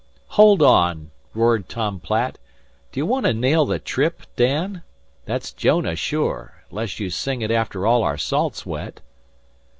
"Hold on!" roared Tom Platt. "D'ye want to nail the trip, Dan? That's Jonah sure, 'less you sing it after all our salt's wet."